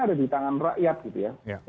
ada di tangan rakyat gitu ya